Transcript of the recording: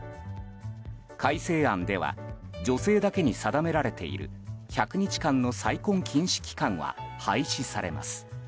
改正案では女性だけに定められている１００日間の再婚禁止期間は廃止されます。